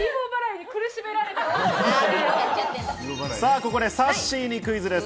ここで、さっしーにクイズです。